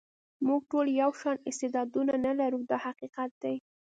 موږ ټول یو شان استعدادونه نه لرو دا حقیقت دی.